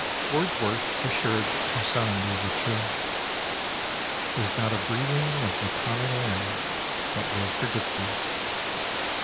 Wordsworth assured Toussaint L'Ouverture: There's not a breathing of the common air That will forget thee.